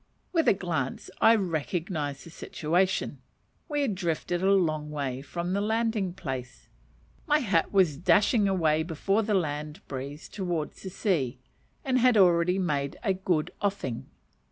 With a glance I "recognized the situation:" we had drifted a long way from the landing place. My hat was dashing away before the land breeze towards the sea, and had already made a good "offing."